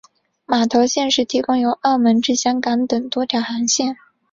码头现时提供由澳门至香港等多条航线。